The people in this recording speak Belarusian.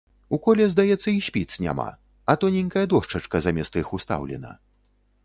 У коле здаецца й спіц няма, а тоненькая дошчачка замест іх устаўлена.